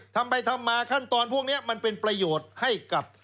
ทำไปทำมาขั้นตอนพวกนี้มันเป็นประโยชน์ให้กับ